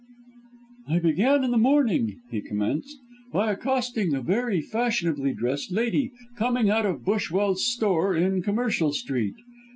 "I began the morning," he commenced, "by accosting a very fashionably dressed lady coming out of Bushwell's Store in Commercial Street.